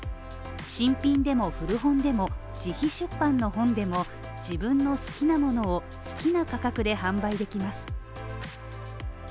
新品でも古本でも、自費出版の本でも自分の好きなものを好きな価格で販売できます